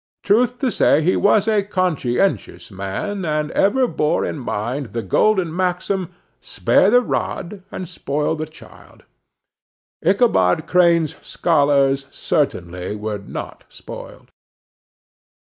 Truth to say, he was a conscientious man, and ever bore in mind the golden maxim, "Spare the rod and spoil the child." Ichabod Crane's scholars certainly were not spoiled.